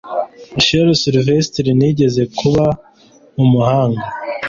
Shel SilversteinNigeze kuba umuhanga